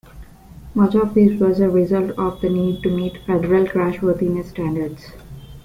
Much of this was a result of the need to meet Federal "crash-worthiness" standards.